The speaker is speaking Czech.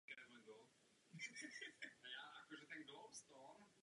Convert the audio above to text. Frank ani Ernest se neobjevují v knize "Konec".